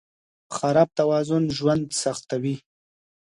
خراب توازن ژوند سختوي.